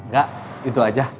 gak itu aja